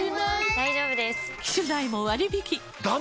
大丈夫です！